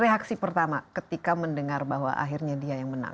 reaksi pertama ketika mendengar bahwa akhirnya dia yang menang